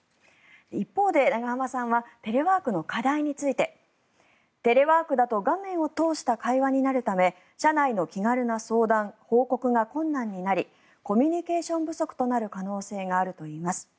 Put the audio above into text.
一方で、永濱さんはテレワークの課題についてテレワークだと画面を通した会話になるため社内の気軽な相談・報告が困難になりコミュニケーション不足となる可能性があるといいます。